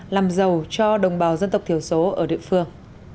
làm giàu cho đồng bào dân tộc thiểu số ở địa phương